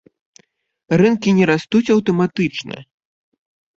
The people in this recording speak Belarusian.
Рынкі не растуць аўтаматычна.